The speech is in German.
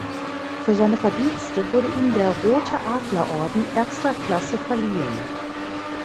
Für seine Verdienste wurde ihm der Rote Adlerorden erster Klasse verliehen.